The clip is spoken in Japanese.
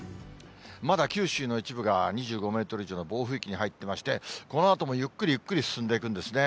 まだ九州の一部が２５メートル以上の暴風域に入っていまして、このあともゆっくりゆっくり進んでいくんですね。